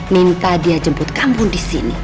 minta dia jemput kampung di sini